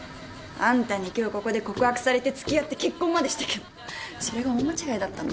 あんたに今日ここで告白されて付き合って結婚までしたけどそれが大間違いだったの。